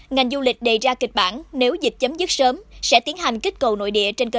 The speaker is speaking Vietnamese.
ngành du lịch đề ra kịch bản nếu dịch chấm dứt sớm sẽ tiến hành kích cầu nội địa trên cơ sở